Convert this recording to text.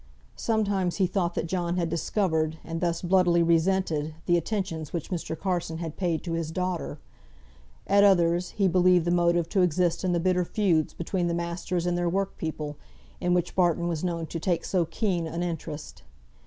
Sometimes he thought that John had discovered, and thus bloodily resented, the attentions which Mr. Carson had paid to his daughter; at others, he believed the motive to exist in the bitter feuds between the masters and their work people, in which Barton was known to take so keen an interest.